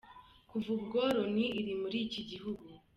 Kuva ubwo Loni iri muri iki gihugu.